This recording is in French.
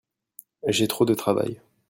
j'ai trop de travail.